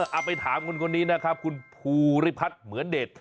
เอาไปถามคนนี้นะครับคุณภูริพัฒน์เหมือนเดช